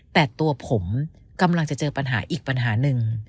แต่ตัวผมกำลังจะเจอปัญหาอีกปัญหาหนึ่ง